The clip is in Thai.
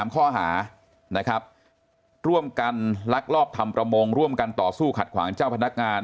ข้อหานะครับร่วมกันลักลอบทำประมงร่วมกันต่อสู้ขัดขวางเจ้าพนักงาน